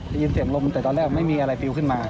ได้ยินเสียงลมแต่ตอนแรกไม่มีอะไรปิวขึ้นมา